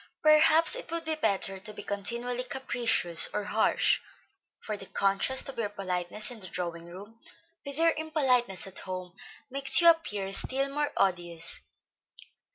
Perhaps it would be better to be continually capricious or harsh, for the contrast of your politeness in the drawing room with your impoliteness at home makes you appear still more odious.